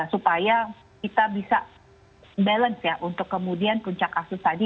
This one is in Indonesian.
supaya kita bisa balance ya untuk kemudian puncak kasus tadi